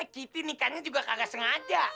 kita nikahnya juga kagak sengaja